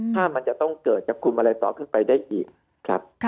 ถ้ามันจะต้องเกิดจะคุมอะไรต่อขึ้นไปได้อีกครับ